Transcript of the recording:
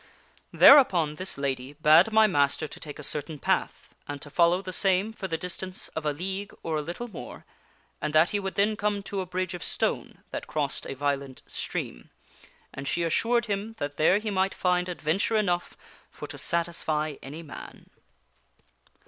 " Thereupon this lady bade my master to take a certain path, and to fol low the same for the distance of a league or a little more, and that he would then come to a bridge of stone that crossed a violent stream, and she assured him that there he might find adventure enough for to satisfy any man.